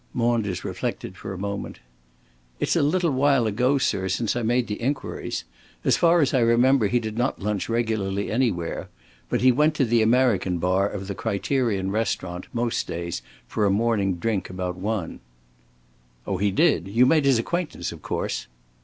Maunders reflected for a moment. "It's a little while ago, sir, since I made the inquiries. As far as I remember, he did not lunch regularly anywhere. But he went to the American Bar of the Criterion restaurant most days for a morning drink about one." "Oh, he did? You made his acquaintance, of course?"